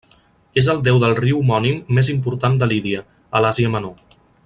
És el déu del riu homònim més important de Lídia, a l'Àsia Menor.